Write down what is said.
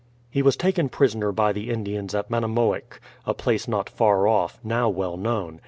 He was taken prisoner by the Indians at Manamoick, a place not far off, now well known.